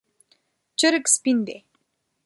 چرګ سپین دی